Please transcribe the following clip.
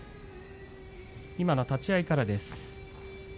立ち合いからです。